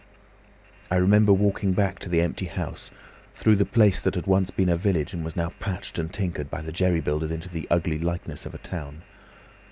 "I remember walking back to the empty house, through the place that had once been a village and was now patched and tinkered by the jerry builders into the ugly likeness of a town.